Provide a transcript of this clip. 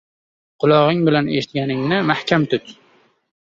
— Qulog‘ing bilan eshitganingni mahkam tut.